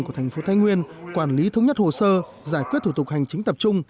của thành phố thái nguyên quản lý thống nhất hồ sơ giải quyết thủ tục hành chính tập trung